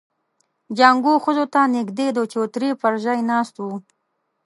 جانکو ښځو ته نږدې د چوترې پر ژی ناست و.